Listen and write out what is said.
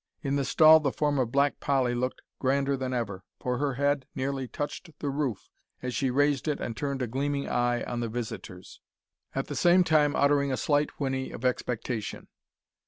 In the stall the form of Black Polly looked grander than ever, for her head nearly touched the roof as she raised it and turned a gleaming eye on the visitors, at the same time uttering a slight whinny of expectation.